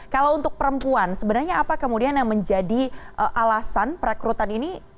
kalau untuk perempuan sebenarnya apa kemudian yang menjadi alasan perekrutan ini